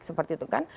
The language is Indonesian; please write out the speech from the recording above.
seperti itu kan